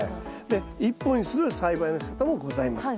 で１本にする栽培のしかたもございます。